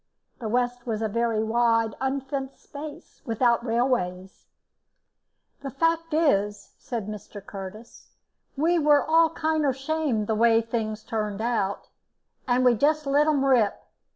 The west was a very wide unfenced space, without railways. "The fact is," said Mr. Curtis, "we were all kinder shamed the way things turned out, and we just let 'em rip.